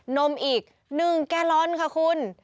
นมอีก๑แกลลอนค่ะคุณ